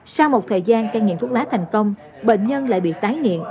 sau một thời gian cai nghiện thuốc lá thành công bệnh nhân lại bị tái nghiện